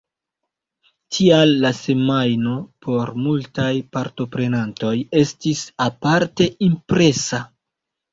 Tial la semajno por multaj partoprenantoj estis aparte impresa.